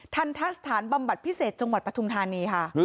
ทันทะสถานบำบัดพิเศษจังหวัดปฐุมธานีค่ะ